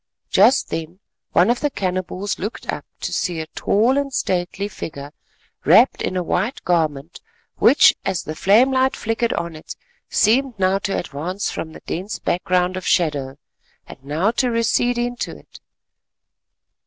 Just then one of the cannibals looked up to see a tall and stately figure wrapped in a white garment which, as the flame light flickered on it, seemed now to advance from the dense background of shadow, and now to recede into it.